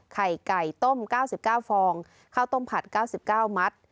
ไข่ไก่ต้มเก้าสิบเก้าฟองข้าวต้มผัดเก้าสิบเก้ามัด